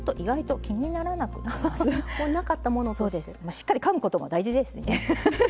しっかりかむことも大事ですよね。